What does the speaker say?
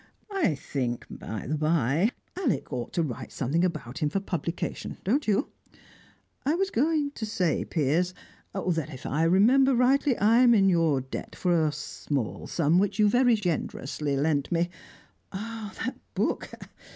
I think, by the bye, Alec ought to write something about him for publication; don't you? I was going to say, Piers, that, if I remember rightly, I am in your debt for a small sum, which you very generously lent me. Ah, that book!